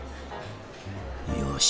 よし。